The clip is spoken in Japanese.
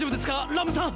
ラムさん！